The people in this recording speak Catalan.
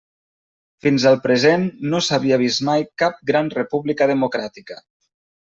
Fins al present no s'havia vist mai cap gran república democràtica.